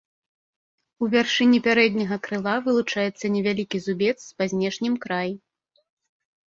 У вяршыні пярэдняга крыла вылучаецца невялікі зубец па знешнім краі.